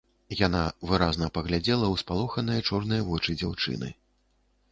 Яна выразна паглядзела у спалоханыя чорныя вочы дзяўчыны